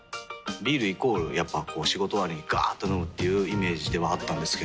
ビールイコールやっぱこう仕事終わりにガーっと飲むっていうイメージではあったんですけど。